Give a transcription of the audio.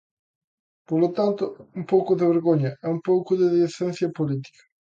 Polo tanto, un pouco de vergoña e un pouco de decencia política.